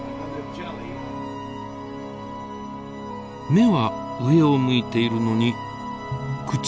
目は上を向いているのに口は前。